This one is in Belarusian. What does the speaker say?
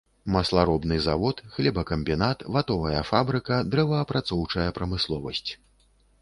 Масларобны завод, хлебакамбінат, ватовая фабрыка, дрэваапрацоўчая прамысловасць.